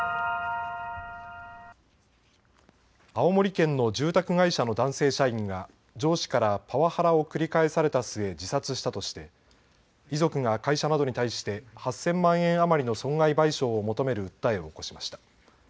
青森県の住宅会社の男性社員が上司からパワハラを繰り返された末、自殺したとして遺族が会社などに対して８０００万円余りの損害賠償を求める訴えを起こしました。